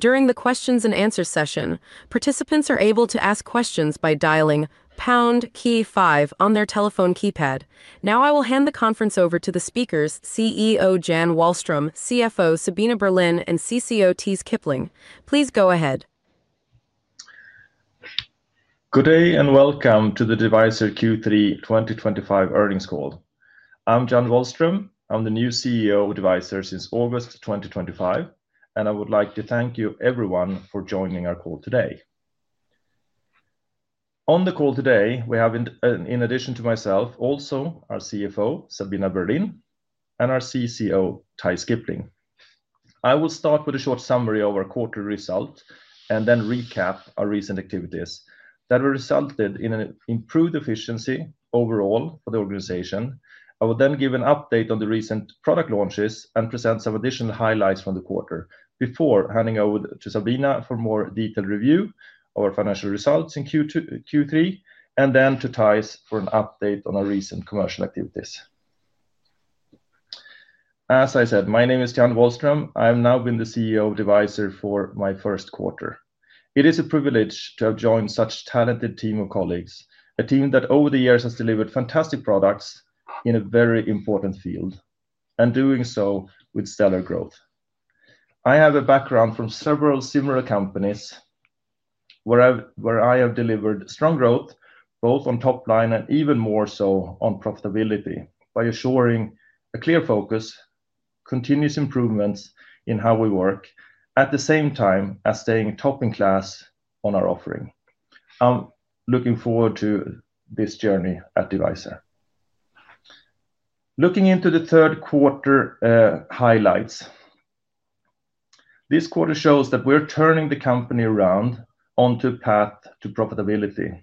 During the questions-and-answers session, participants are able to ask questions by dialing pound key five on their telephone keypad. Now I will hand the conference over to the speakers, CEO Jan Wahlström, CFO Sabina Berlin, and CCO Theis Kipling. Please go ahead. Good day and welcome to the Devyser Q3 2025 earnings call. I'm Jan Wahlström. I'm the new CEO of Devyser since August 2025, and I would like to thank you everyone for joining our call today. On the call today, we have, in addition to myself, also our CFO Sabina Berlin and our CCO Theis Kipling. I will start with a short summary of our quarterly result and then recap our recent activities that have resulted in an improved efficiency overall for the organization. I will then give an update on the recent product launches and present some additional highlights from the quarter before handing over to Sabina for a more detailed review of our financial results in Q3, and then to Theis for an update on our recent commercial activities. As I said, my name is Jan Wahlström. I have now been the CEO of Devyser for my first quarter. It is a privilege to have joined such a talented team of colleagues, a team that over the years has delivered fantastic products in a very important field, and doing so with stellar growth. I have a background from several similar companies. Where I have delivered strong growth, both on top line and even more so on profitability, by assuring a clear focus, continuous improvements in how we work, at the same time as staying top in class on our offering. I'm looking forward to this journey at Devyser. Looking into the third quarter highlights. This quarter shows that we're turning the company around onto a path to profitability.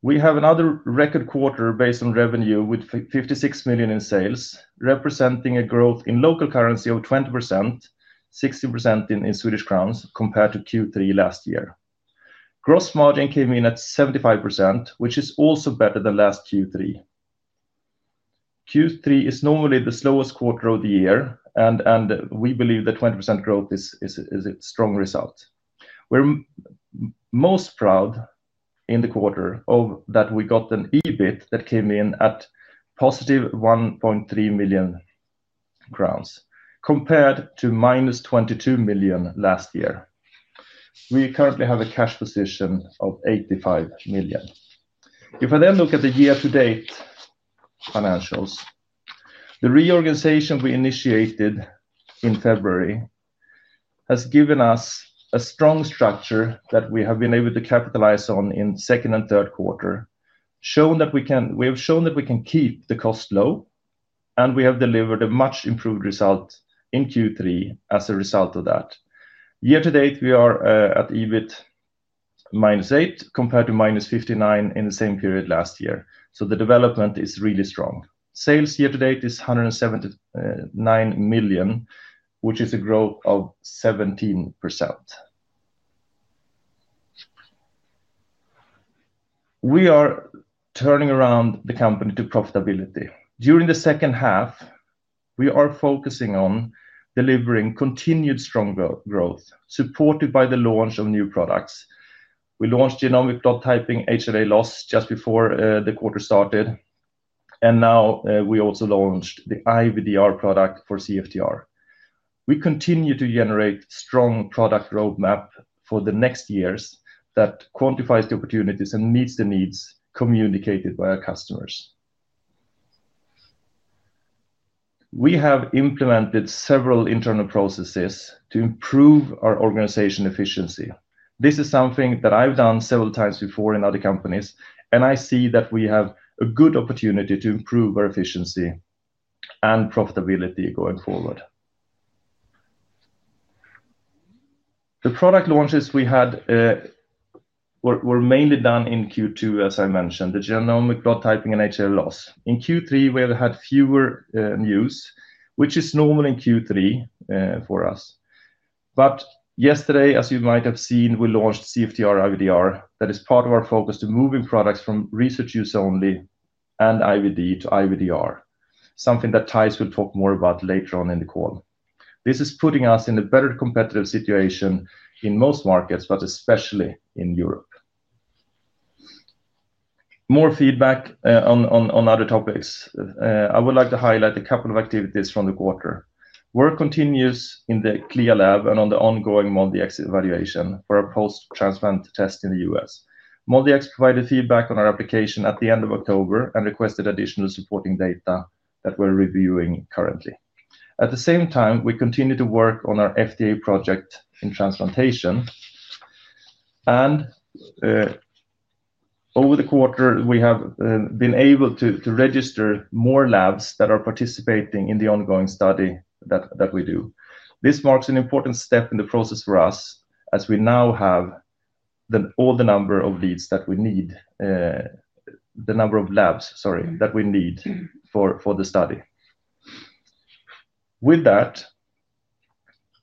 We have another record quarter based on revenue with 56 million in sales, representing a growth in local currency of 20%, 60% in Swedish crowns compared to Q3 last year. Gross margin came in at 75%, which is also better than last Q3. Q3 is normally the slowest quarter of the year, and we believe that 20% growth is a strong result. We're most proud in the quarter that we got an EBIT that came in at positive 1.3 million. Crowns compared to minus 22 million last year. We currently have a cash position of 85 million. If I then look at the year-to-date. Financials, the reorganization we initiated. In February. Has given us a strong structure that we have been able to capitalize on in second and third quarter, shown that we can we have shown that we can keep the cost low, and we have delivered a much improved result in Q3 as a result of that. Year-to-date, we are at EBIT. Minus 8 million compared to minus 59 million in the same period last year. So the development is really strong. Sales year-to-date is 179 million, which is a growth of 17%. We are turning around the company to profitability. During the second half, we are focusing on delivering continued strong growth, supported by the launch of new products. We launched Genomic Blood Typing and HLA Loss just before the quarter started. Now we also launched the IVDR product for CFTR. We continue to generate strong product roadmaps for the next years that quantify the opportunities and meet the needs communicated by our customers. We have implemented several internal processes to improve our organization efficiency. This is something that I've done several times before in other companies, and I see that we have a good opportunity to improve our efficiency and profitability going forward. The product launches we had were mainly done in Q2, as I mentioned, the Genomic Blood Typing and HLA Loss. In Q3, we had fewer news, which is normal in Q3 for us. Yesterday, as you might have seen, we launched CFTR IVDR that is part of our focus to move products from research use only and IVD to IVDR, something that Theis will talk more about later on in the call. This is putting us in a better competitive situation in most markets, especially in Europe. More feedback on other topics, I would like to highlight a couple of activities from the quarter. Work continues in the CLIA lab and on the ongoing MolDX evaluation for our post-transplant test in the U.S. MolDX provided feedback on our application at the end of October and requested additional supporting data that we're reviewing currently. At the same time, we continue to work on our FDA project in transplantation. Over the quarter, we have been able to register more labs that are participating in the ongoing study that we do. This marks an important step in the process for us, as we now have all the number of leads that we need. The number of labs, sorry, that we need for the study. With that,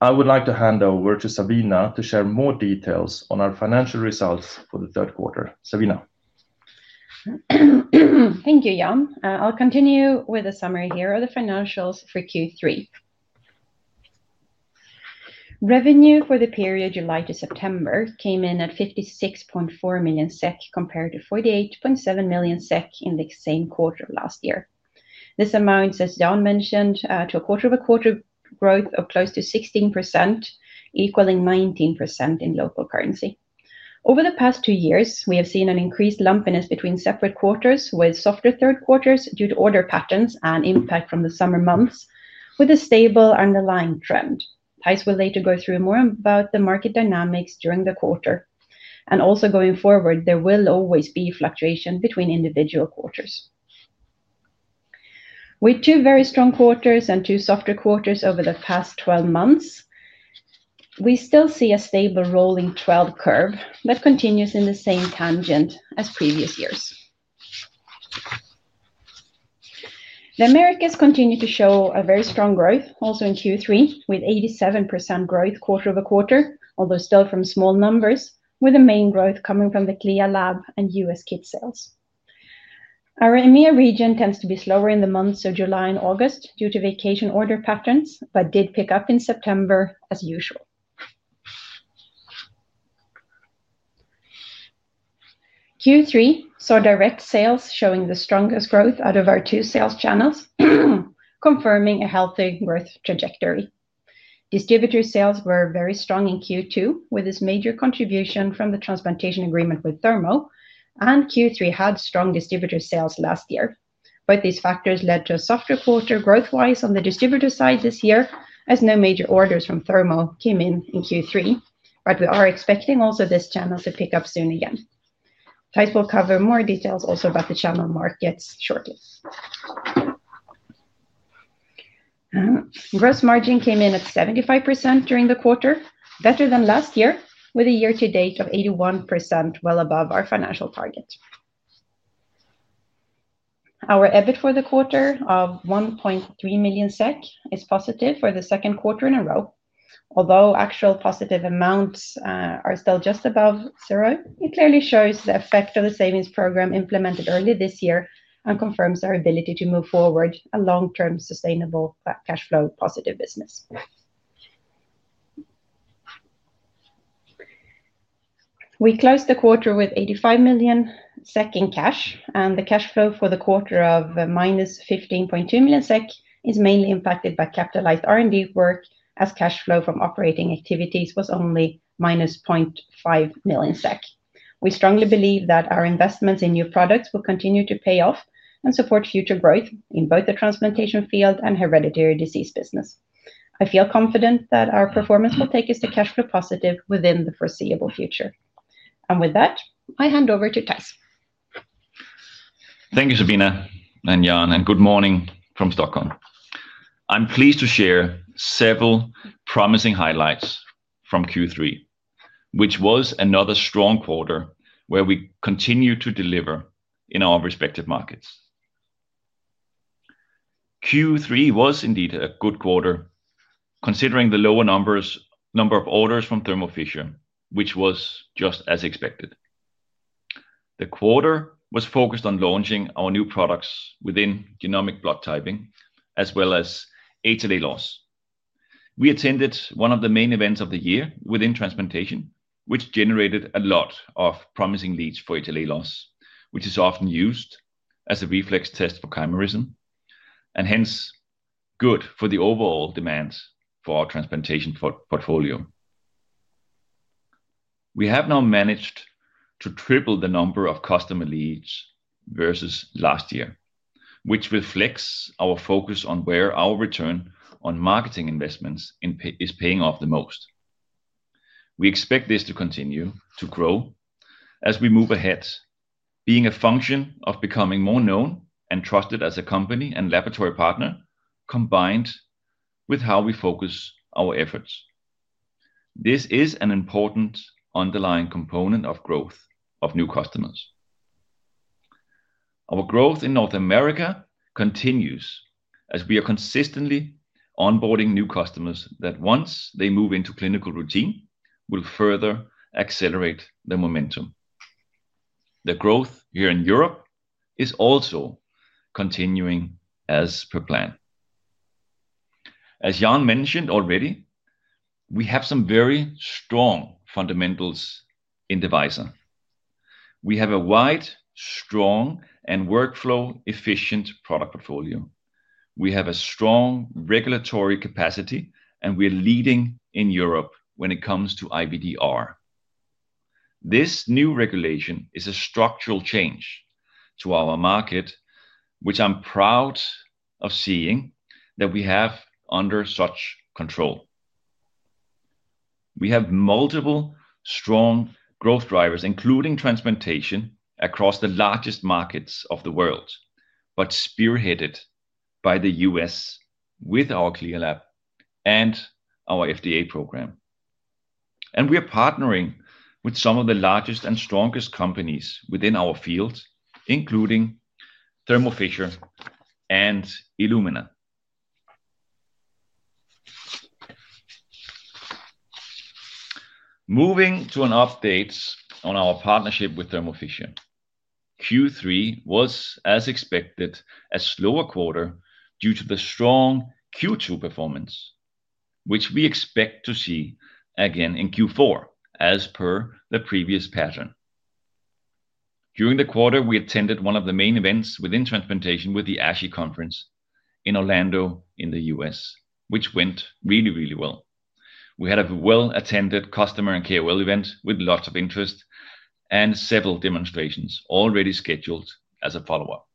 I would like to hand over to Sabina to share more details on our financial results for the third quarter. Sabina. Thank you, Jan. I'll continue with a summary here of the financials for Q3. Revenue for the period July to September came in at 56.4 million SEK compared to 48.7 million SEK in the same quarter of last year. This amounts, as Jan mentioned, to a quarter-over-quarter growth of close to 16%, equaling 19% in local currency. Over the past two years, we have seen an increased lumpiness between separate quarters with softer third quarters due to order patterns and impact from the summer months, with a stable underlying trend. Theis will later go through more about the market dynamics during the quarter. Also, going forward, there will always be fluctuation between individual quarters. With two very strong quarters and two softer quarters over the past 12 months, we still see a stable rolling 12 curve that continues in the same tangent as previous years. The Americas continue to show a very strong growth, also in Q3, with 87% growth quarter-over-quarter, although still from small numbers, with the main growth coming from the CLIA lab and U.S. kit sales. Our EMEA region tends to be slower in the months of July and August due to vacation order patterns, but did pick up in September as usual. Q3 saw direct sales showing the strongest growth out of our two sales channels, confirming a healthy growth trajectory. Distributor sales were very strong in Q2, with this major contribution from the transplantation agreement with Thermo. Q3 had strong distributor sales last year. These factors led to a softer quarter growth-wise on the distributor side this year, as no major orders from Thermo came in in Q3. We are expecting also these channels to pick up soon again. Theis will cover more details also about the channel markets shortly. Gross margin came in at 75% during the quarter, better than last year, with a year-to-date of 81%, well above our financial target. Our EBIT for the quarter of 1.3 million SEK is positive for the second quarter in a row. Although actual positive amounts are still just above zero, it clearly shows the effect of the savings program implemented early this year and confirms our ability to move forward a long-term sustainable cash flow positive business. We closed the quarter with 85 million SEK in cash, and the cash flow for the quarter of minus 15.2 million SEK is mainly impacted by capitalized R&D work, as cash flow from operating activities was only minus 0.5 million SEK. We strongly believe that our investments in new products will continue to pay off and support future growth in both the transplantation field and hereditary disease business. I feel confident that our performance will take us to cash flow positive within the foreseeable future. With that, I hand over to Theis. Thank you, Sabina and Jan, and good morning from Stockholm. I'm pleased to share several promising highlights from Q3, which was another strong quarter where we continue to deliver in our respective markets. Q3 was indeed a good quarter, considering the lower number of orders from Thermo Fisher, which was just as expected. The quarter was focused on launching our new products within Genomic Blood Typing, as well as HLA loss. We attended one of the main events of the year within transplantation, which generated a lot of promising leads for HLA loss, which is often used as a reflex test for chimerism, and hence good for the overall demand for our transplantation portfolio. We have now managed to triple the number of customer leads versus last year, which reflects our focus on where our return on marketing investments is paying off the most. We expect this to continue to grow as we move ahead, being a function of becoming more known and trusted as a company and laboratory partner, combined with how we focus our efforts. This is an important underlying component of growth of new customers. Our growth in North America continues as we are consistently onboarding new customers that, once they move into clinical routine, will further accelerate the momentum. The growth here in Europe is also continuing as per plan. As Jan mentioned already, we have some very strong fundamentals in Devyser. We have a wide, strong, and workflow-efficient product portfolio. We have a strong regulatory capacity, and we're leading in Europe when it comes to IVDR. This new regulation is a structural change to our market, which I'm proud of seeing that we have under such control. We have multiple strong growth drivers, including transplantation, across the largest markets of the world, but spearheaded by the U.S. with our CLIA lab and our FDA project. We are partnering with some of the largest and strongest companies within our field, including Thermo Fisher and Illumina. Moving to an update on our partnership with Thermo Fisher. Q3 was, as expected, a slower quarter due to the strong Q2 performance, which we expect to see again in Q4, as per the previous pattern. During the quarter, we attended one of the main events within transplantation with the ASHI conference in Orlando in the U.S., which went really, really well. We had a well-attended customer and KOL event with lots of interest and several demonstrations already scheduled as a follow-up.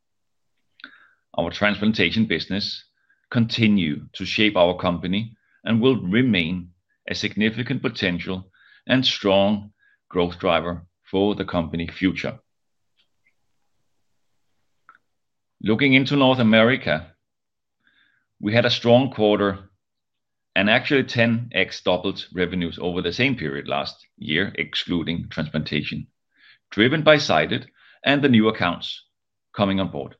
Our transplantation business continues to shape our company and will remain a significant potential and strong growth driver for the company future. Looking into North America. We had a strong quarter and actually 10x doubled revenues over the same period last year, excluding transplantation, driven by Cyted and the new accounts coming on board.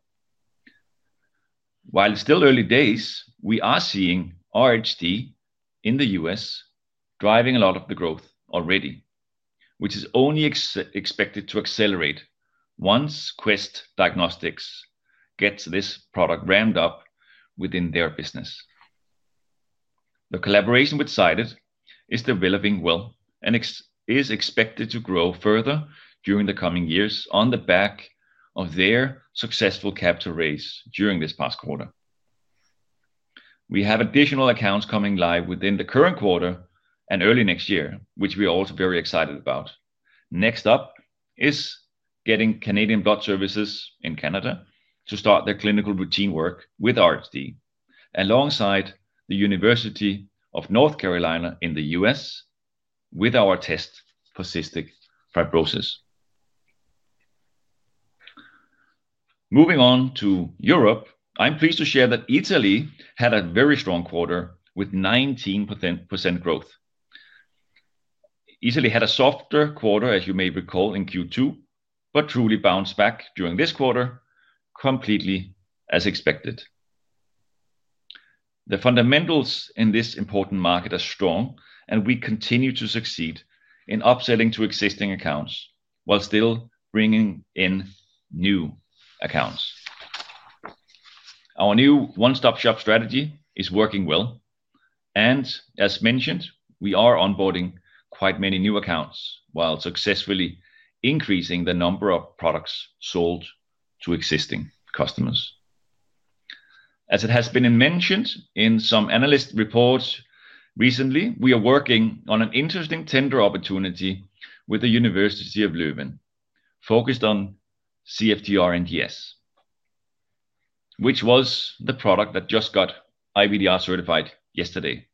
While it's still early days, we are seeing RHD in the U.S. driving a lot of the growth already, which is only expected to accelerate once Quest Diagnostics gets this product ramped up within their business. The collaboration with Cyted is developing well and is expected to grow further during the coming years on the back of their successful capital raise during this past quarter. We have additional accounts coming live within the current quarter and early next year, which we are also very excited about. Next up is getting Canadian Blood Services in Canada to start their clinical routine work with RHD alongside the University of North Carolina in the U.S. with our test for cystic fibrosis. Moving on to Europe, I'm pleased to share that Italy had a very strong quarter with 19% growth. Italy had a softer quarter, as you may recall, in Q2, but truly bounced back during this quarter, completely as expected. The fundamentals in this important market are strong, and we continue to succeed in upselling to existing accounts while still bringing in new accounts. Our new one-stop-shop strategy is working well. As mentioned, we are onboarding quite many new accounts while successfully increasing the number of products sold to existing customers. As it has been mentioned in some analyst reports recently, we are working on an interesting tender opportunity with KU Leuven, focused on CFTR NDS, which was the product that just got IVDR certified yesterday.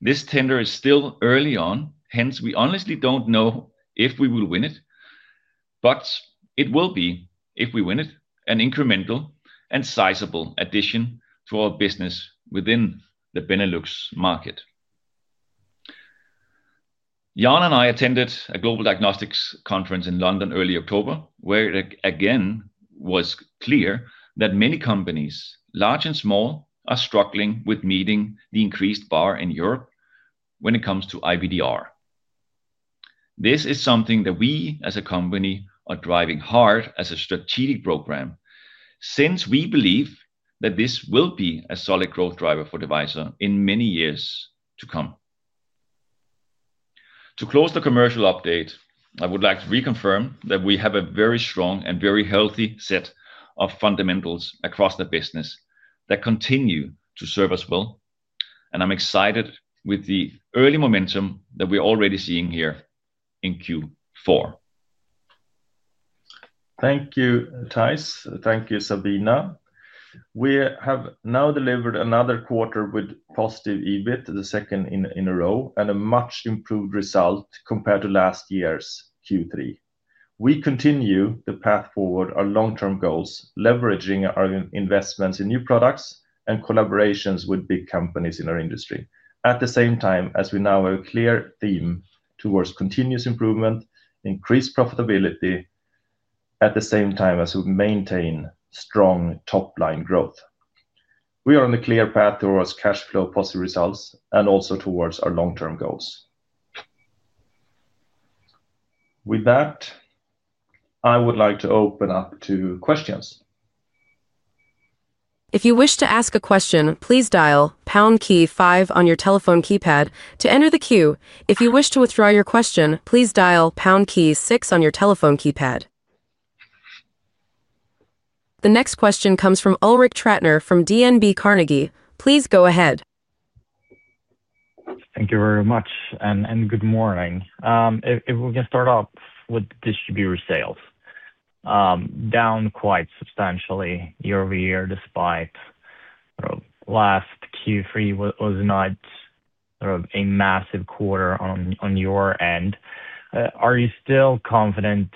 This tender is still early on, hence we honestly don't know if we will win it. It will be, if we win it, an incremental and sizable addition to our business within the Benelux market. Jan and I attended a Global Diagnostics Conference in London early October, where it again was clear that many companies, large and small, are struggling with meeting the increased bar in Europe when it comes to IVDR. This is something that we, as a company, are driving hard as a strategic program. We believe that this will be a solid growth driver for Devyser in many years to come. To close the commercial update, I would like to reconfirm that we have a very strong and very healthy set of fundamentals across the business that continue to serve us well. I'm excited with the early momentum that we're already seeing here in Q4. Thank you, Theis. Thank you, Sabina. We have now delivered another quarter with positive EBIT, the second in a row, and a much improved result compared to last year's Q3. We continue the path forward, our long-term goals, leveraging our investments in new products and collaborations with big companies in our industry, at the same time as we now have a clear theme towards continuous improvement, increased profitability. At the same time as we maintain strong top-line growth. We are on a clear path towards cash flow positive results and also towards our long-term goals. With that. I would like to open up to questions. If you wish to ask a question, please dial pound key five on your telephone keypad to enter the queue. If you wish to withdraw your question, please dial pound key six on your telephone keypad. The next question comes from Ulrik Trattner from DNB Carnegie. Please go ahead. Thank you very much, and good morning. If we can start off with distributor sales. Down quite substantially year over year, despite last Q3 was not a massive quarter on your end. Are you still confident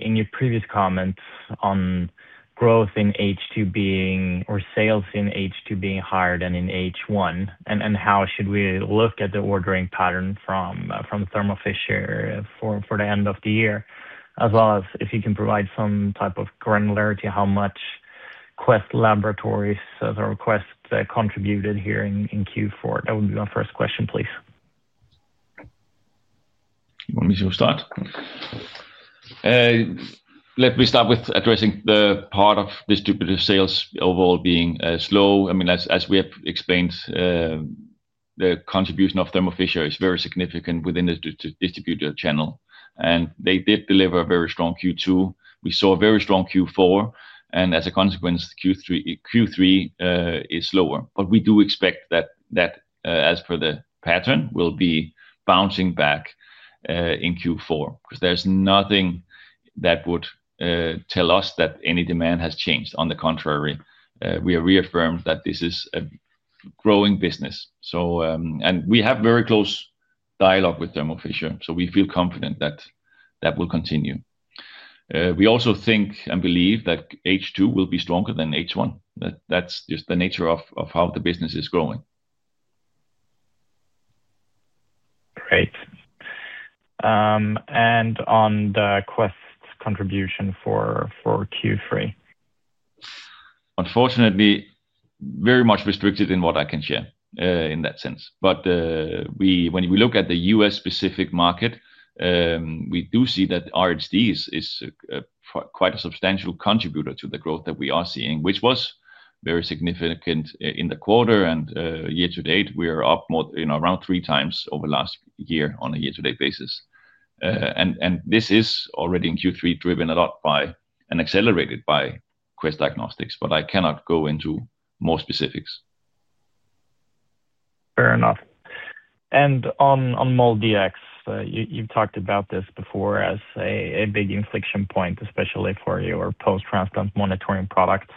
in your previous comments on growth in H2 being or sales in H2 being higher than in H1? How should we look at the ordering pattern from Thermo Fisher for the end of the year, as well as if you can provide some type of granularity, how much Quest Diagnostics contributed here in Q4? That would be my first question, please. You want me to start? Let me start with addressing the part of distributor sales overall being slow. I mean, as we have explained. The contribution of Thermo Fisher is very significant within the distributor channel. And they did deliver a very strong Q2. We saw a very strong Q4. As a consequence, Q3 is slower. We do expect that, as per the pattern, it will be bouncing back in Q4, because there is nothing that would tell us that any demand has changed. On the contrary, we reaffirm that this is a growing business. We have very close dialogue with Thermo Fisher, so we feel confident that that will continue. We also think and believe that H2 will be stronger than H1. That is just the nature of how the business is growing. Great. On the Quest contribution for Q3? Unfortunately, very much restricted in what I can share in that sense. When we look at the U.S.-specific market, we do see that RHD is quite a substantial contributor to the growth that we are seeing, which was very significant in the quarter. Year to date, we are up around 3x over the last year on a year-to-date basis. This is already in Q3 driven a lot by and accelerated by Quest Diagnostics, but I cannot go into more specifics. Fair enough. On MolDX, you've talked about this before as a big inflection point, especially for your post-transplant monitoring product.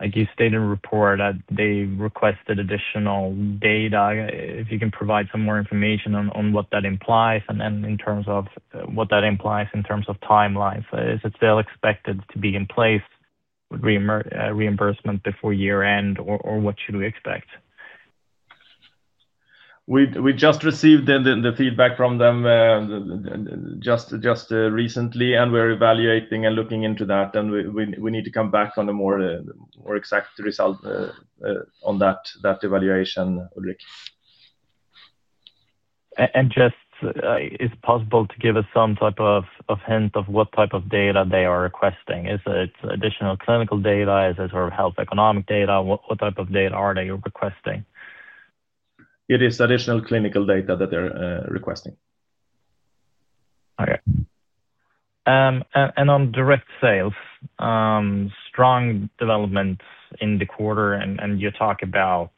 Like you stated in the report, they requested additional data. If you can provide some more information on what that implies and in terms of what that implies in terms of timelines, is it still expected to be in place with reimbursement before year-end, or what should we expect? We just received the feedback from them just recently, and we're evaluating and looking into that. We need to come back on a more exact result on that evaluation, Ulrik. Is it possible to give us some type of hint of what type of data they are requesting? Is it additional clinical data? Is it sort of health economic data? What type of data are they requesting? It is additional clinical data that they're requesting. Okay. On direct sales, strong development in the quarter, and you talk about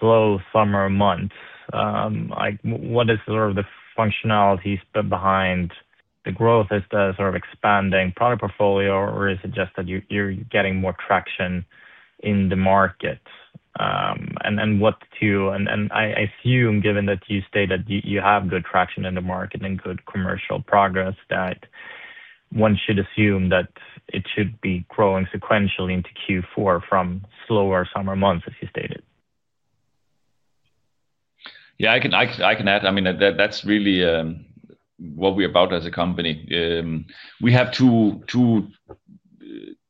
slow summer months. What is sort of the functionalities behind the growth? Is it sort of expanding product portfolio, or is it just that you're getting more traction in the market? What to—I assume, given that you stated you have good traction in the market and good commercial progress, that one should assume that it should be growing sequentially into Q4 from slower summer months, as you stated. Yeah, I can add. I mean, that's really what we're about as a company. We have two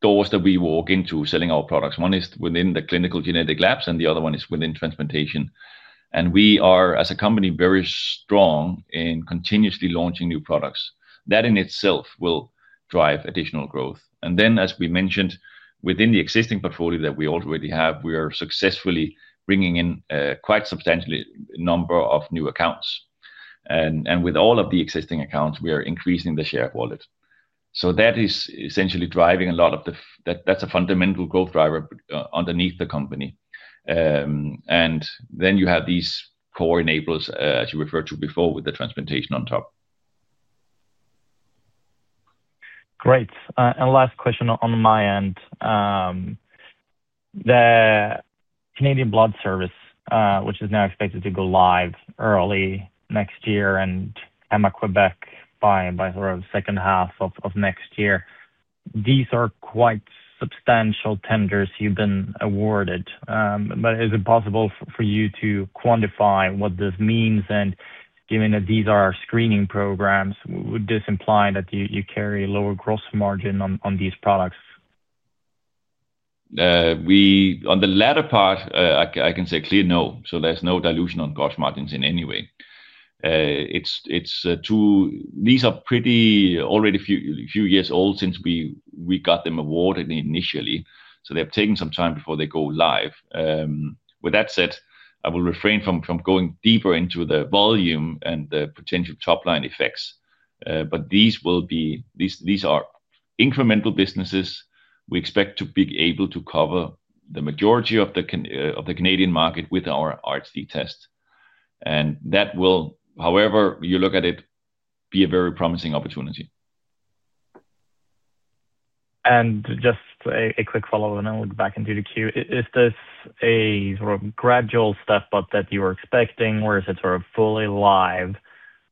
doors that we walk into selling our products. One is within the clinical genetic labs, and the other one is within transplantation. We are, as a company, very strong in continuously launching new products. That in itself will drive additional growth. Then, as we mentioned, within the existing portfolio that we already have, we are successfully bringing in quite substantially a number of new accounts. With all of the existing accounts, we are increasing the share of wallet. That is essentially driving a lot of the, that's a fundamental growth driver underneath the company. You have these core enablers, as you referred to before, with the transplantation on top. Great. Last question on my end. The Canadian Blood Services, which is now expected to go live early next year and Héma-Québec by the second half of next year, these are quite substantial tenders you've been awarded. Is it possible for you to quantify what this means? Given that these are screening programs, would this imply that you carry a lower gross margin on these products? On the latter part, I can say clear no. There is no dilution on gross margins in any way. These are pretty already a few years old since we got them awarded initially. They have taken some time before they go live. With that said, I will refrain from going deeper into the volume and the potential top-line effects. These are incremental businesses. We expect to be able to cover the majority of the Canadian market with our RHD test. That will, however you look at it, be a very promising opportunity. Just a quick follow-up, and then we'll go back into the queue. Is this a sort of gradual step up that you were expecting, or is it sort of fully live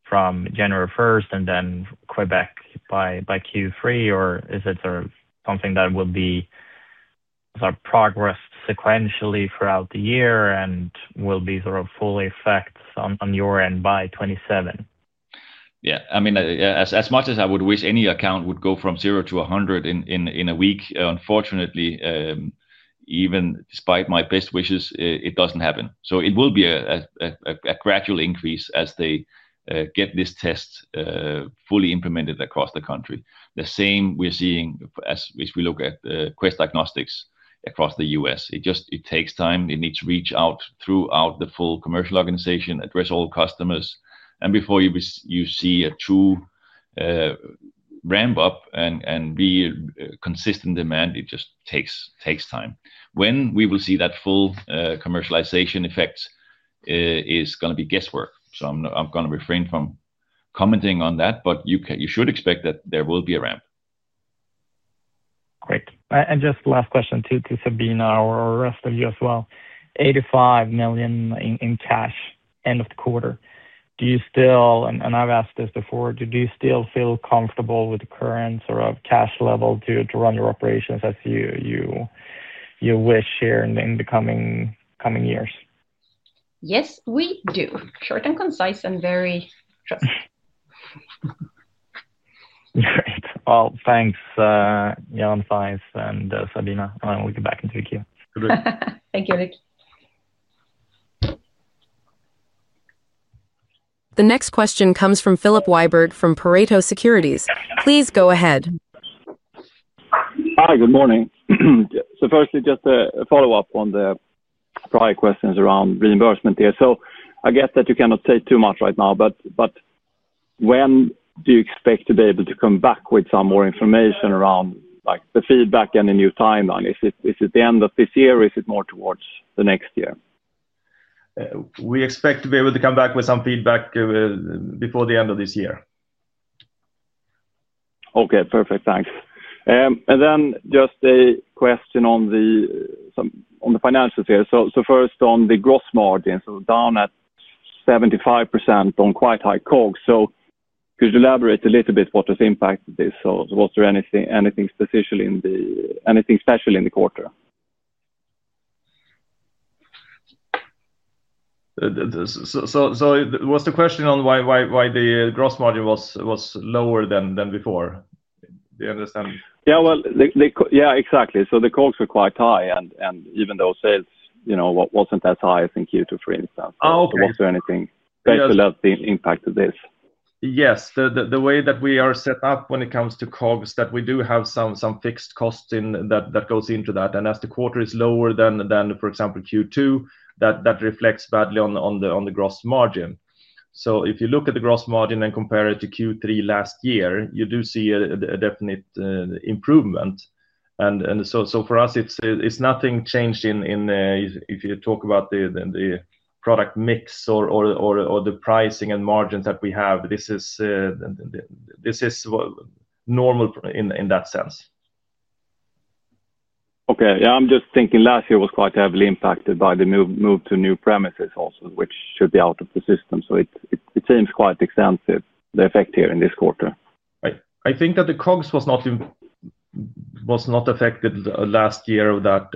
from January 1 and then Quebec by Q3, or is it something that will be progressed sequentially throughout the year and will be fully effective on your end by 2027? Yeah. I mean, as much as I would wish any account would go from zero to 100 in a week, unfortunately. Even despite my best wishes, it does not happen. It will be a gradual increase as they get this test fully implemented across the country. The same we are seeing as we look at Quest Diagnostics across the U.S. It takes time. It needs to reach out throughout the full commercial organization, address all customers. Before you see a true ramp-up and consistent demand, it just takes time. When we will see that full commercialization effect is going to be guesswork. I am going to refrain from commenting on that, but you should expect that there will be a ramp. Great. Just the last question to Sabina or the rest of you as well. 85 million in cash end of the quarter. Do you still, and I've asked this before, do you still feel comfortable with the current sort of cash level to run your operations as you wish here in the coming years? Yes, we do. Short and concise and very true. Great. Thanks, Jan, Theis, and Sabina. We'll get back into the queue. Thank you, Ulrik. The next question comes from [Philip Wybird] from Pareto Securities. Please go ahead. Hi, good morning. Firstly, just a follow-up on the prior questions around reimbursement here. I get that you cannot say too much right now, but when do you expect to be able to come back with some more information around the feedback and the new timeline? Is it the end of this year, or is it more towards next year? We expect to be able to come back with some feedback before the end of this year. Okay, perfect. Thanks. And then just a question on the financials here. First, on the gross margins, down at 75% on quite high COGS. Could you elaborate a little bit what has impacted this? Was there anything special in the quarter? What's the question on why the gross margin was lower than before? Do you understand? Yeah, yeah, exactly. The COGS were quite high, and even though sales was not as high as in Q2, for instance. Was there anything specifically that impacted this? Yes. The way that we are set up when it comes to COGS, that we do have some fixed costs that goes into that. As the quarter is lower than, for example, Q2, that reflects badly on the gross margin. If you look at the gross margin and compare it to Q3 last year, you do see a definite improvement. For us, nothing changed in if you talk about the product mix or the pricing and margins that we have. This is normal in that sense. Okay. Yeah, I'm just thinking last year was quite heavily impacted by the move to new premises also, which should be out of the system. So it seems quite extensive, the effect here in this quarter. I think that the COGS was not affected last year of that.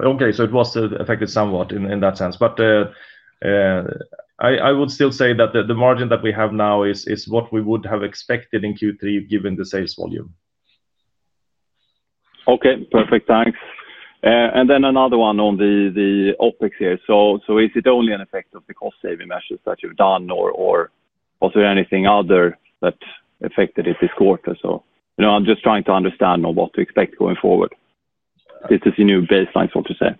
Okay, so it was affected somewhat in that sense. I would still say that the margin that we have now is what we would have expected in Q3 given the sales volume. Okay, perfect. Thanks. And then another one on the OpEx here. Is it only an effect of the cost-saving measures that you've done, or was there anything other that affected it this quarter? I'm just trying to understand on what to expect going forward. This is your new baseline, so to say.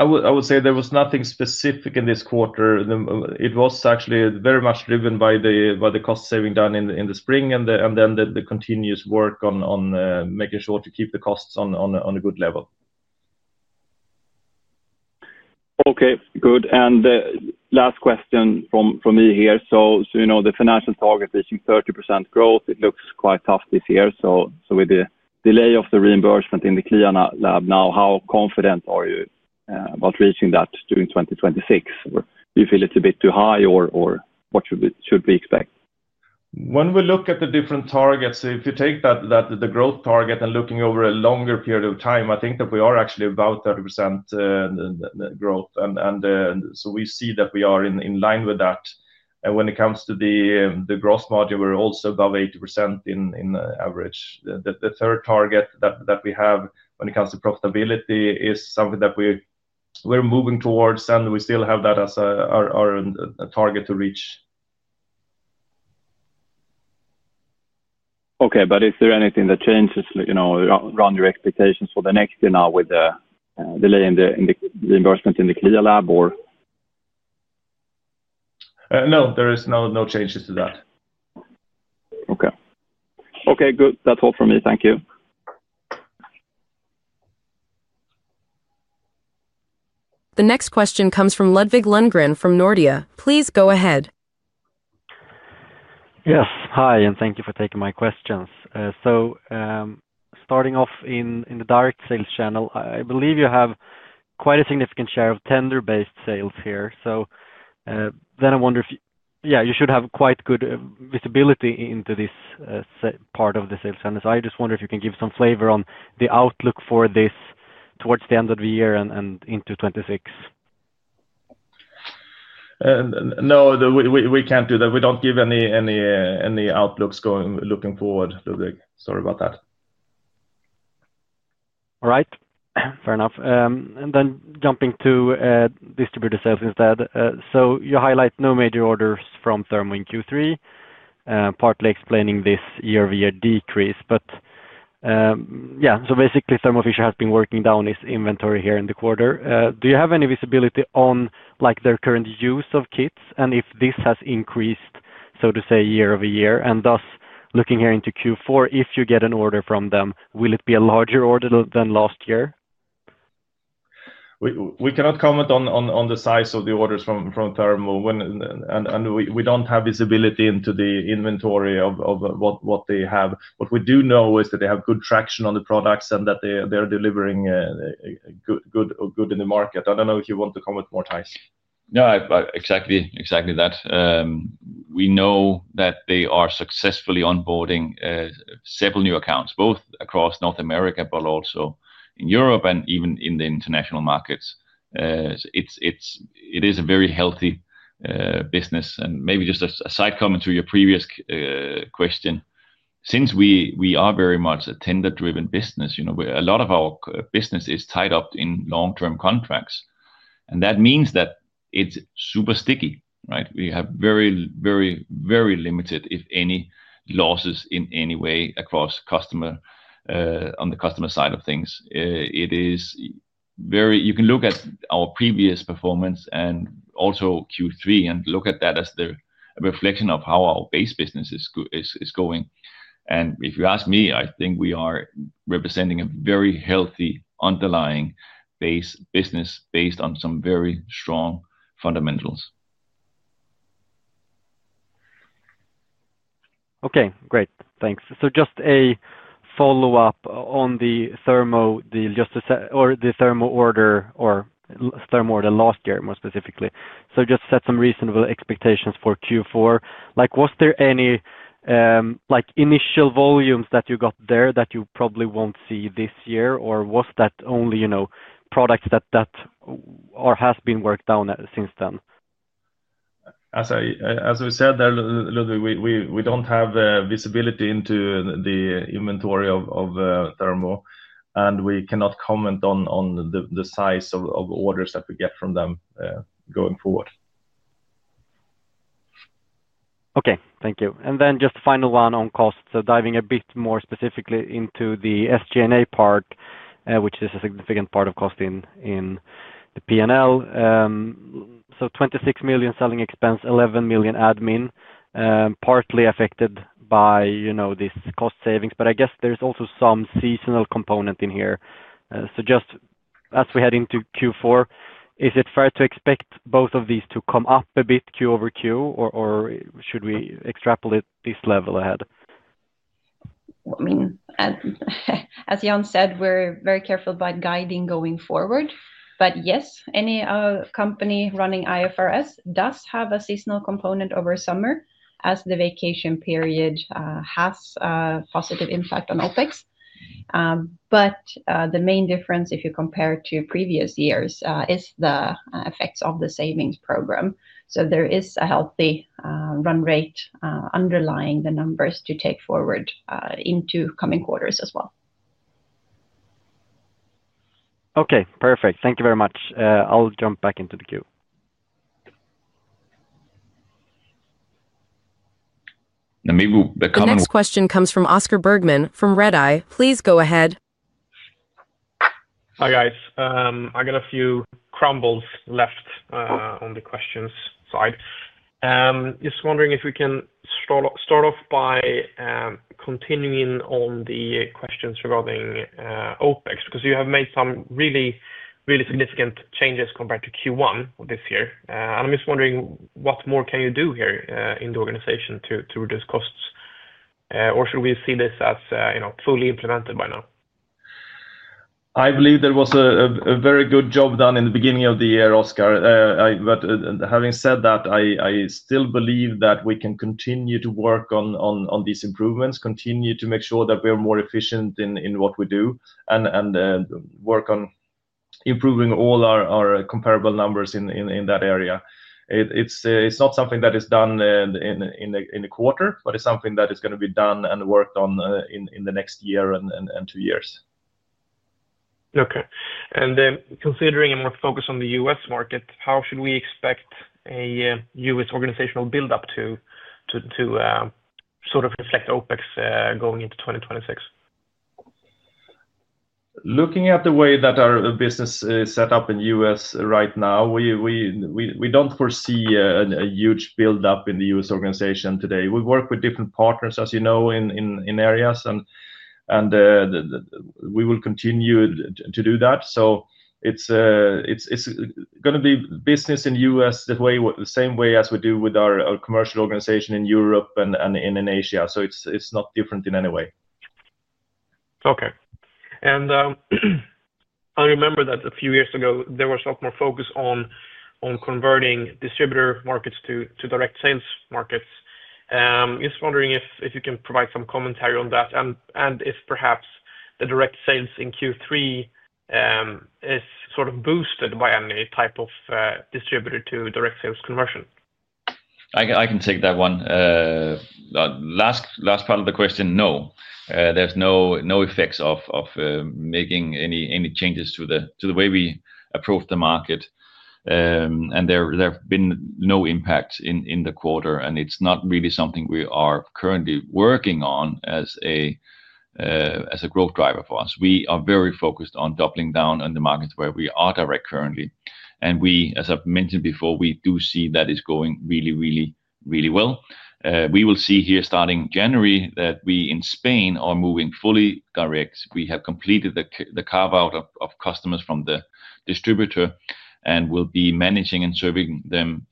I would say there was nothing specific in this quarter. It was actually very much driven by the cost-saving done in the spring and then the continuous work on making sure to keep the costs on a good level. Okay, good. Last question from me here. The financial target reaching 30% growth, it looks quite tough this year. With the delay of the reimbursement in the CLIA lab now, how confident are you about reaching that during 2026? Do you feel it's a bit too high, or what should we expect? When we look at the different targets, if you take the growth target and looking over a longer period of time, I think that we are actually about 30% growth. We see that we are in line with that. When it comes to the gross margin, we are also above 80% on average. The third target that we have when it comes to profitability is something that we are moving towards, and we still have that as our target to reach. Okay, but is there anything that changes around your expectations for the next year now with the delay in the reimbursement in the CLIA lab, or? No, there are no changes to that. Okay, good. That's all from me. Thank you. The next question comes from Ludvig Lundgren from Nordea. Please go ahead. Yes, hi, and thank you for taking my questions. Starting off in the direct sales channel, I believe you have quite a significant share of tender-based sales here. I wonder if you should have quite good visibility into this part of the sales channel. I just wonder if you can give some flavor on the outlook for this towards the end of the year and into 2026. No, we can't do that. We don't give any outlooks looking forward, Ludvig. Sorry about that. All right. Fair enough. Then jumping to distributor sales instead. You highlight no major orders from Thermo Fisher in Q3, partly explaining this year-over-year decrease. Yeah, so basically, Thermo Fisher has been working down its inventory here in the quarter. Do you have any visibility on their current use of kits, and if this has increased, so to say, year-over-year? Thus, looking here into Q4, if you get an order from them, will it be a larger order than last year? We cannot comment on the size of the orders from Thermo. We do not have visibility into the inventory of what they have. What we do know is that they have good traction on the products and that they are delivering well in the market. I do not know if you want to comment more, Theis. No, exactly that. We know that they are successfully onboarding several new accounts, both across North America, but also in Europe and even in the international markets. It is a very healthy business. And maybe just a side comment to your previous question. Since we are very much a tender-driven business, a lot of our business is tied up in long-term contracts. That means that it's super sticky, right? We have very, very, very limited, if any, losses in any way across customer. On the customer side of things. You can look at our previous performance and also Q3 and look at that as the reflection of how our base business is going. If you ask me, I think we are representing a very healthy underlying base business based on some very strong fundamentals. Okay, great. Thanks. Just a follow-up on the Thermo deal or the Thermo order or Thermo order last year, more specifically. Just set some reasonable expectations for Q4. Was there any initial volumes that you got there that you probably won't see this year, or was that only products that have been worked down since then? As we said there, Ludvig, we do not have visibility into the inventory of Thermo. We cannot comment on the size of orders that we get from them going forward. Okay, thank you. And then just the final one on costs. So diving a bit more specifically into the SG&A part, which is a significant part of cost in the P&L. So 26 million selling expense, 11 million admin. Partly affected by these cost savings. But I guess there's also some seasonal component in here. Just as we head into Q4, is it fair to expect both of these to come up a bit, Q over Q, or should we extrapolate this level ahead? I mean. As Jan said, we're very careful about guiding going forward. Yes, any company running IFRS does have a seasonal component over summer as the vacation period has a positive impact on OpEx. The main difference, if you compare to previous years, is the effects of the savings program. There is a healthy run rate underlying the numbers to take forward into coming quarters as well. Okay, perfect. Thank you very much. I'll jump back into the queue. The next question comes from Oscar Bergman from Redeye. Please go ahead. Hi guys. I got a few crumbles left on the questions side. Just wondering if we can start off by continuing on the questions regarding OpEx because you have made some really, really significant changes compared to Q1 this year. I'm just wondering what more can you do here in the organization to reduce costs? Should we see this as fully implemented by now? I believe there was a very good job done in the beginning of the year, Oscar. Having said that, I still believe that we can continue to work on these improvements, continue to make sure that we are more efficient in what we do, and work on improving all our comparable numbers in that area. It is not something that is done in a quarter, but it is something that is going to be done and worked on in the next year and two years. Okay. And then considering a more focus on the U.S. market, how should we expect a U.S. organizational build-up to sort of reflect OpEx going into 2026? Looking at the way that our business is set up in the U.S. right now. We do not foresee a huge build-up in the U.S. organization today. We work with different partners, as you know, in areas, and we will continue to do that. It is going to be business in the U.S. the same way as we do with our commercial organization in Europe and in Asia. It is not different in any way. Okay. I remember that a few years ago, there was a lot more focus on converting distributor markets to direct sales markets. Just wondering if you can provide some commentary on that and if perhaps the direct sales in Q3 is sort of boosted by any type of distributor to direct sales conversion. I can take that one. Last part of the question, no. There's no effects of making any changes to the way we approve the market. There have been no impacts in the quarter. It's not really something we are currently working on as a growth driver for us. We are very focused on doubling down on the markets where we are direct currently. As I've mentioned before, we do see that it's going really, really, really well. We will see here starting January that we in Spain are moving fully direct. We have completed the carve-out of customers from the distributor and will be managing and serving them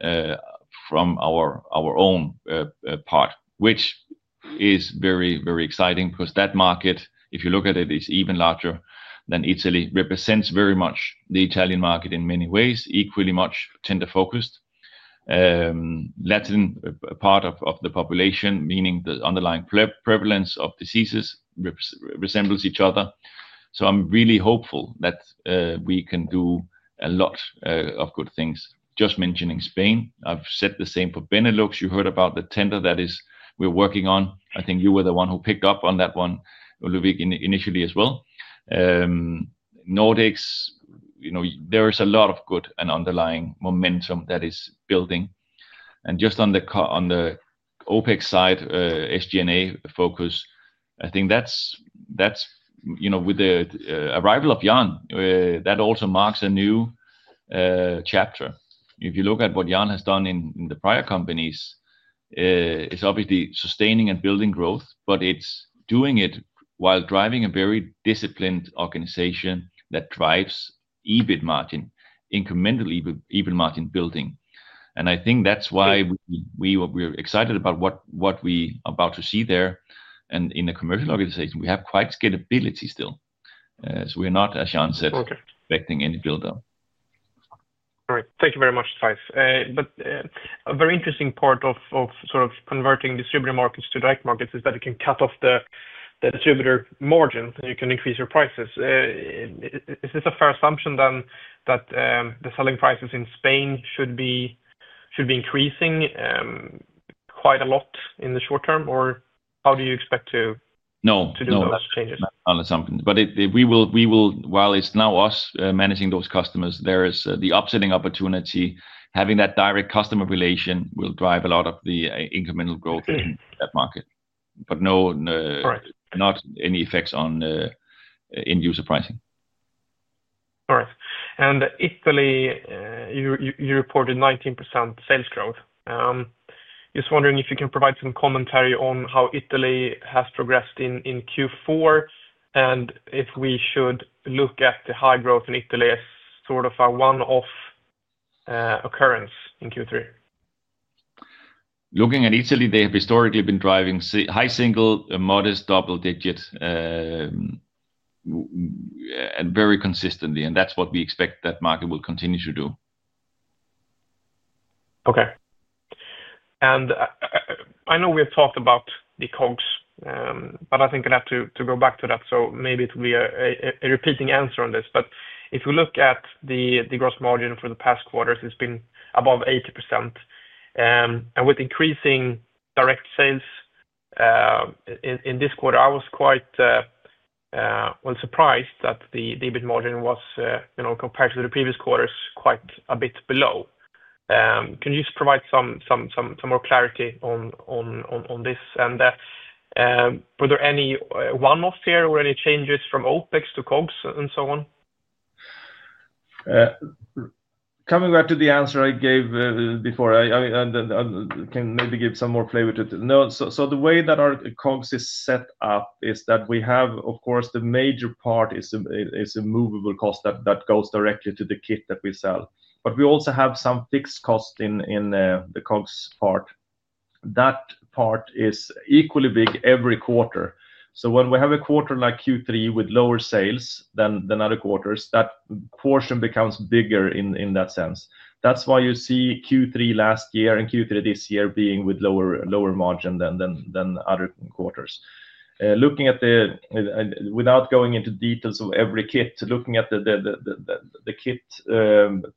from our own part, which is very, very exciting because that market, if you look at it, is even larger than Italy, represents very much the Italian market in many ways, equally much tender-focused. Latin part of the population, meaning the underlying prevalence of diseases, resembles each other. I'm really hopeful that we can do a lot of good things. Just mentioning Spain, I've said the same for Benelux. You heard about the tender that we're working on. I think you were the one who picked up on that one, Ludvig, initially as well. Nordics, there is a lot of good and underlying momentum that is building. Just on the OpEx side, SG&A focus, I think that's with the arrival of Jan, that also marks a new chapter. If you look at what Jan has done in the prior companies, it's obviously sustaining and building growth, but it's doing it while driving a very disciplined organization that drives EBIT margin, incremental EBIT margin building. I think that's why we're excited about what we are about to see there. In the commercial organization, we have quite scalability still. We're not, as Jan said, expecting any build-up. All right. Thank you very much, Theis. A very interesting part of sort of converting distributor markets to direct markets is that it can cut off the distributor margin and you can increase your prices. Is this a fair assumption then that the selling prices in Spain should be increasing quite a lot in the short term, or how do you expect to do those changes? No, not an assumption. We will, while it's now us managing those customers, there is the upselling opportunity. Having that direct customer relation will drive a lot of the incremental growth in that market. No, not any effects on end-user pricing. All right. Italy. You reported 19% sales growth. Just wondering if you can provide some commentary on how Italy has progressed in Q4 and if we should look at the high growth in Italy as sort of a one-off occurrence in Q3. Looking at Italy, they have historically been driving high single, modest double-digit. Very consistently. That is what we expect that market will continue to do. Okay. I know we have talked about the COGS, but I think I have to go back to that. Maybe it will be a repeating answer on this. If you look at the gross margin for the past quarters, it's been above 80%. With increasing direct sales, in this quarter, I was quite surprised that the EBIT margin was, compared to the previous quarters, quite a bit below. Can you just provide some more clarity on this? Were there any one-offs here or any changes from Opex to COGS and so on? Coming back to the answer I gave before, I can maybe give some more flavor to it. The way that our COGS is set up is that we have, of course, the major part is a movable cost that goes directly to the kit that we sell. We also have some fixed cost in the COGS part. That part is equally big every quarter. When we have a quarter like Q3 with lower sales than other quarters, that portion becomes bigger in that sense. That is why you see Q3 last year and Q3 this year being with lower margin than other quarters. Looking at the, without going into details of every kit, looking at the kit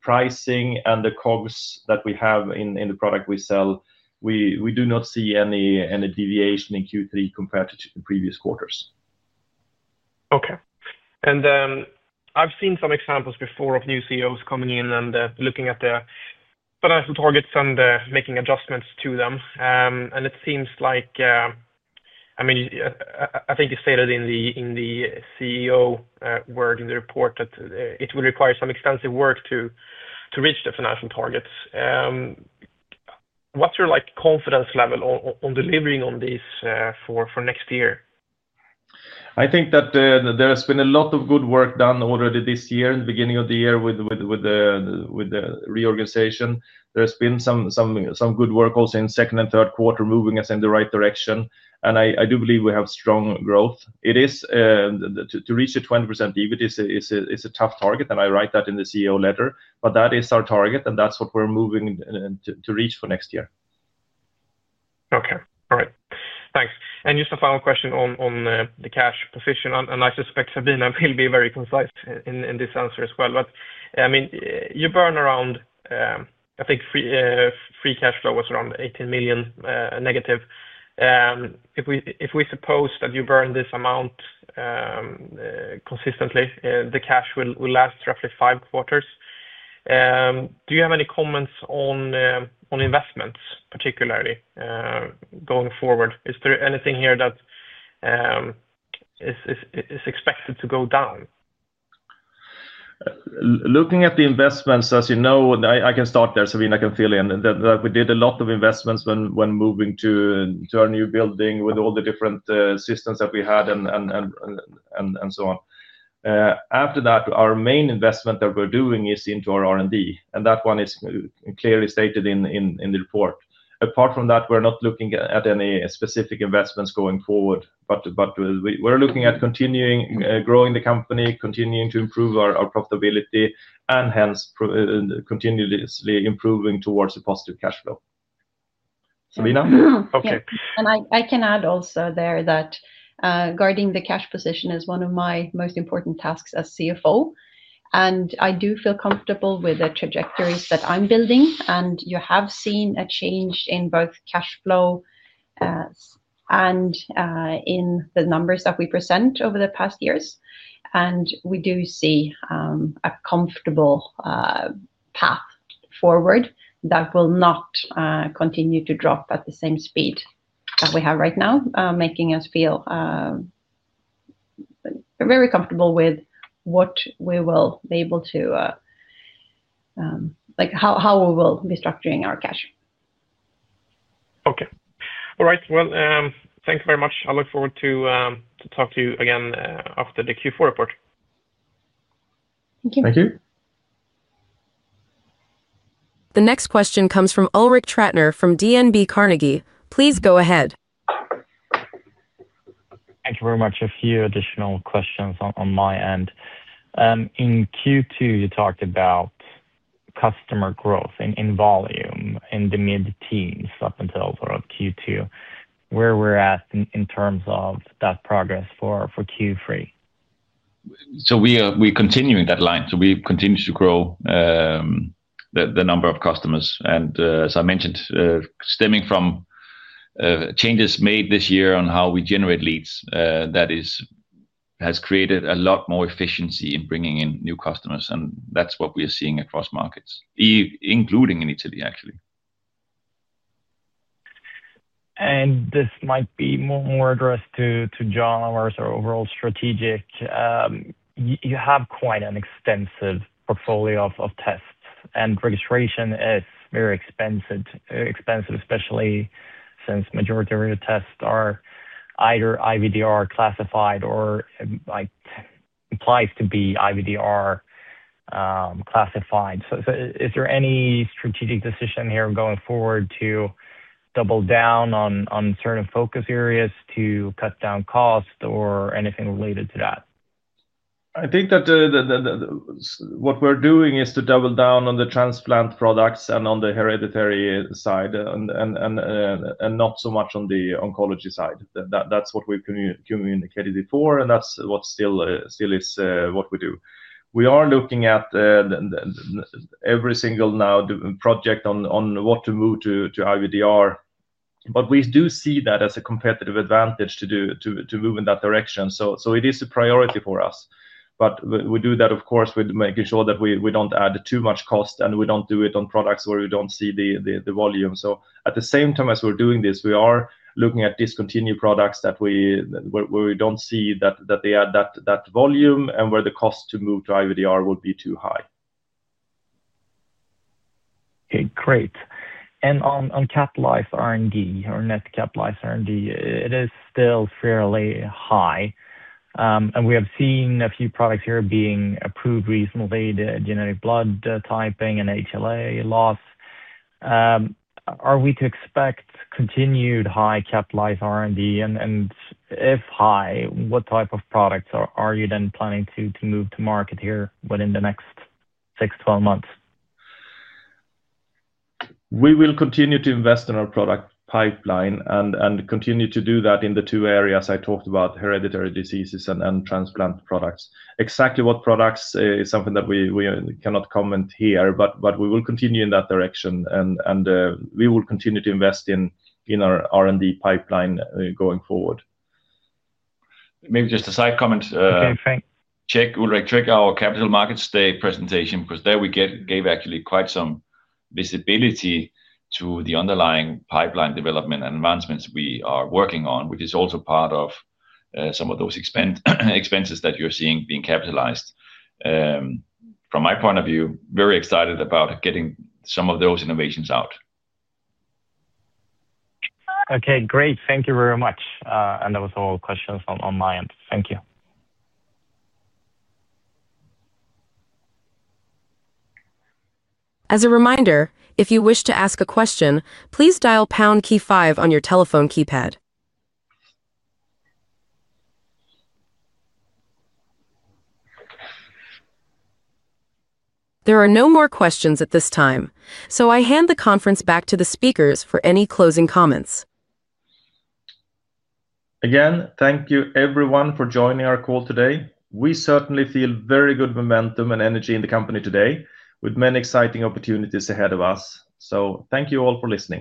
pricing and the COGS that we have in the product we sell, we do not see any deviation in Q3 compared to previous quarters. Okay. I've seen some examples before of new CEOs coming in and looking at the financial targets and making adjustments to them. It seems like, I mean, I think you stated in the CEO word in the report that it would require some extensive work to reach the financial targets. What's your confidence level on delivering on these for next year? I think that there has been a lot of good work done already this year, in the beginning of the year with the reorganization. There has been some good work also in second and third quarter moving us in the right direction. I do believe we have strong growth. It is, to reach the 20% EBIT is a tough target, and I write that in the CEO letter. That is our target, and that's what we're moving to reach for next year. Okay. All right. Thanks. Just a final question on the cash position. I suspect Sabina will be very concise in this answer as well. I mean, you burn around, I think, free cash flow was around 18 million negative. If we suppose that you burn this amount consistently, the cash will last roughly five quarters. Do you have any comments on investments, particularly going forward? Is there anything here that is expected to go down? Looking at the investments, as you know, I can start there. Sabina, I can fill in that we did a lot of investments when moving to our new building with all the different systems that we had and so on. After that, our main investment that we're doing is into our R&D. And that one is clearly stated in the report. Apart from that, we're not looking at any specific investments going forward. We are looking at continuing growing the company, continuing to improve our profitability, and hence continuously improving towards a positive cash flow. Sabina? Yes. I can add also there that guarding the cash position is one of my most important tasks as CFO. I do feel comfortable with the trajectories that I'm building. You have seen a change in both cash flow and in the numbers that we present over the past years. We do see a comfortable path forward that will not continue to drop at the same speed that we have right now, making us feel very comfortable with what we will be able to, how we will be structuring our cash. Okay. All right. Thank you very much. I look forward to talking to you again after the Q4 report. Thank you. Thank you. The next question comes from Ulrik Trattner from DNB Carnegie. Please go ahead. Thank you very much. A few additional questions on my end. In Q2, you talked about customer growth in volume in the mid-teens up until sort of Q2. Where are we at in terms of that progress for Q3? We are continuing that line. We continue to grow the number of customers. As I mentioned, stemming from changes made this year on how we generate leads, that has created a lot more efficiency in bringing in new customers. That is what we are seeing across markets, including in Italy, actually. This might be more addressed to Jan or our overall strategic. You have quite an extensive portfolio of tests. Registration is very expensive, especially since the majority of your tests are either IVDR classified or implies to be IVDR classified. Is there any strategic decision here going forward to double down on certain focus areas to cut down cost or anything related to that? I think that what we're doing is to double down on the transplant products and on the hereditary side. Not so much on the oncology side. That's what we've communicated before, and that still is what we do. We are looking at every single now project on what to move to IVDR. We do see that as a competitive advantage to move in that direction. It is a priority for us. We do that, of course, with making sure that we don't add too much cost, and we don't do it on products where we don't see the volume. At the same time as we're doing this, we are looking at discontinued products that we don't see that they add that volume and where the cost to move to IVDR would be too high. Okay. Great. On capitalized R&D, or net capitalized R&D, it is still fairly high. We have seen a few products here being approved recently, the Genomic Blood Typing and HLA Loss. Are we to expect continued high capitalized R&D? If high, what type of products are you then planning to move to market here within the next 6-12 months? We will continue to invest in our product pipeline and continue to do that in the two areas I talked about, hereditary diseases and transplant products. Exactly what products is something that we cannot comment here, but we will continue in that direction. We will continue to invest in our R&D pipeline going forward. Maybe just a side comment. Okay. Thanks. Ulrik, check our capital markets day presentation because there we gave actually quite some visibility to the underlying pipeline development and advancements we are working on, which is also part of some of those expenses that you're seeing being capitalized. From my point of view, very excited about getting some of those innovations out. Okay. Great. Thank you very much. That was all questions on my end. Thank you. As a reminder, if you wish to ask a question, please dial pound key five on your telephone keypad. There are no more questions at this time. I hand the conference back to the speakers for any closing comments. Again, thank you everyone for joining our call today. We certainly feel very good momentum and energy in the company today with many exciting opportunities ahead of us. Thank you all for listening.